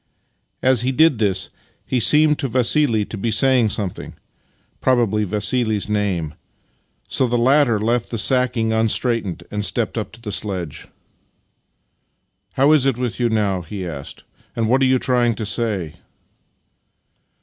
As he did this he seemed to Vassili to be saying something — probably Vassili's name — so the latter left the sacking unstraightened and stepped up to the sledge. " How is it with you now? " he asked, ' and what are you trying to say?